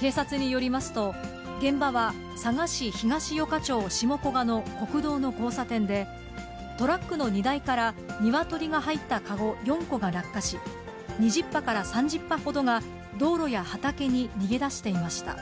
警察によりますと、現場は佐賀市東与賀町下古賀の国道の交差点で、トラックの荷台からニワトリが入った籠４個が落下し、２０羽から３０羽ほどが、道路や畑に逃げだしていました。